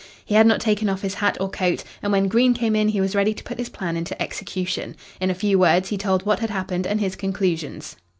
He had not taken off his hat or coat, and when Green came in he was ready to put his plan into execution. In a few words he told what had happened and his conclusions.